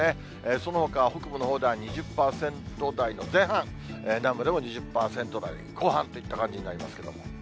そのほかは北部のほうでは２０％台の前半、南部でも２０％台後半といった感じになりますけれども。